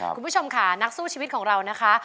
คุณผู้ชมค่ะนักสู้ชีวิตของเรานะคะ